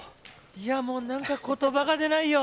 いやもう何か言葉が出ないよ。